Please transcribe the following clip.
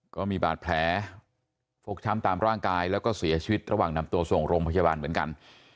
ก็มีบาดแผลฟกช้ำตามร่างกายแล้วก็เสียชีวิตระหว่างนำตัวส่งโรงพยาบาลเหมือนกัน